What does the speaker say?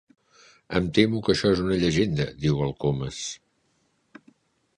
Em temo que això és una llegenda —diu el Comas—.